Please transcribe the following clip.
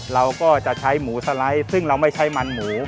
เราก็จะใช้หมูสไลด์ซึ่งเราไม่ใช้มันหมู